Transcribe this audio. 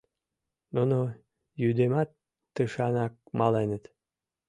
Нуно йӱдымат тышанак маленыт.